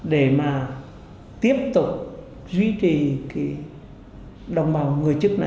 để mà tiếp tục duy trì cái đồng bào người chức này